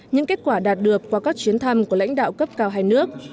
những kết quả đạt được qua các chuyến thăm của lãnh đạo cấp cao hai nước